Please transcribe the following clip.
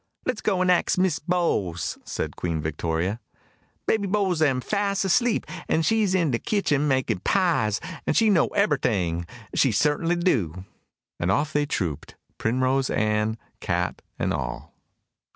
"Let's go an' ax Miss Bowles," said Queen Victoria. "Baby Bowles am fass asleep, an' she's in de kitchen makin' pies, an' she know ebberyting she certainly do." And off they all trooped, Primrose Ann, cat, and all.